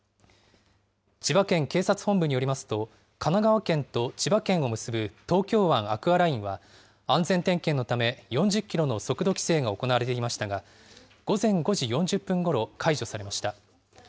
千葉県警察本部によりますと、神奈川県と千葉県を結ぶ東京湾アクアラインは安全点検のため、４０キロの速度規制が行われていましたが、午前５時４０分ごろ解除されました。